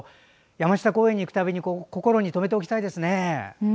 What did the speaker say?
山下公園に行くたびに心に留めておきたいですね。